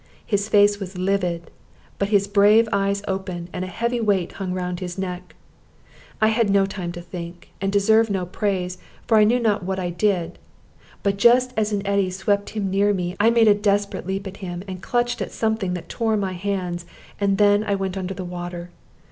His face was livid, but his brave eyes open, and a heavy weight hung round his neck. I had no time to think, and deserve no praise, for I knew not what I did. But just as an eddy swept him near me, I made a desperate leap at him, and clutched at something that tore my hands, and then I went under the water.